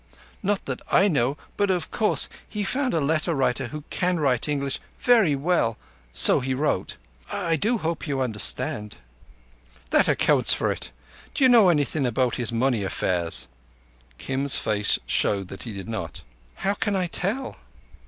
Not that I know, but of course he found a letter writer who can write English verree well, and so he wrote. I do hope you understand." "That accounts for it. D'you know anything about his money affairs?" Kim's face showed that he did not. "How can I tell?"